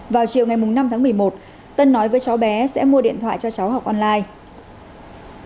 vào chiều ngày năm tháng một mươi một tân nói với cháu bé sẽ mua điện thoại cho cháu học online